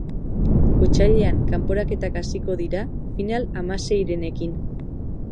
Otsailean kanporaketak hasiko dira, final-hamaseirenekin.